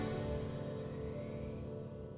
สวัสดีค่ะ